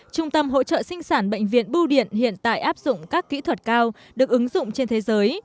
trung tâm hỗ trợ sinh sản bệnh viện bưu điện hiện tại áp dụng các kỹ thuật cao được ứng dụng trên thế giới